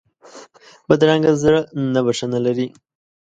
بدرنګه زړه نه بښنه لري